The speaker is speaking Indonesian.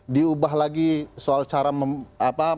diubah lagi soal cara menghitung kursi